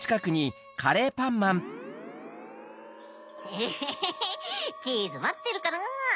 ヘヘヘへチーズまってるかな。